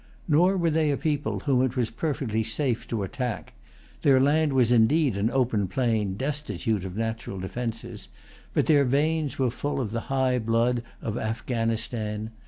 Nor were they a people whom it was perfectly safe to attack. Their land was indeed an open plain, destitute of natural defences; but their veins were full of the high blood of Afghanistan.